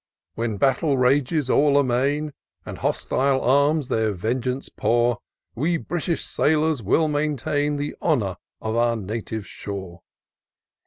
When battle rages all amain, And hostile arms their vengeance pour, We British sailors will maintain The honour of our native shore.